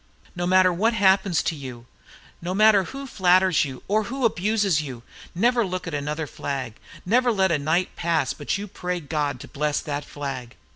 No matter what happens to you, no matter who flatters you or who abuses you, never look at another flag, never let a night pass but you pray God to bless that flag.